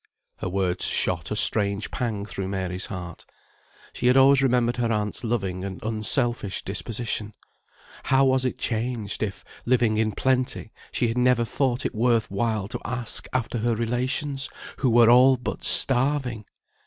Her words shot a strange pang through Mary's heart. She had always remembered her aunt's loving and unselfish disposition; how was it changed, if, living in plenty, she had never thought it worth while to ask after her relations, who were all but starving!